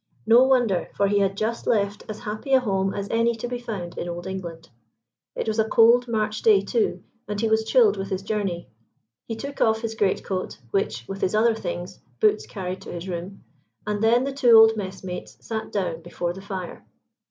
No wonder, for he had just left as happy a home as any to be found in Old England. It was a cold March day too, and he was chilled with his journey. He took off his great coat, which, with his other things, Boots carried to his room, and then the two old messmates sat down before the fire.